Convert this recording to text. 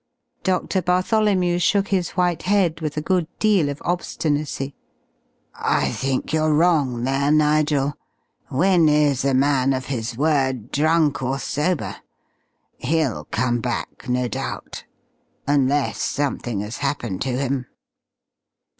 Doctor Bartholomew shook his white head with a good deal of obstinacy. "I think you're wrong there Nigel. Wynne is a man of his word, drunk or sober. He'll come back, no doubt. Unless something has happened to him."